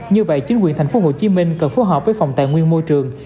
như vậy chính quyền thành phố hồ chí minh cần phối hợp với phòng tài nguyên môi trường